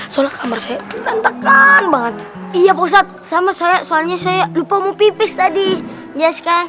soalnya kamar saya rantakan banget iya ustadz sama soalnya saya lupa mau pipis tadi ya sekarang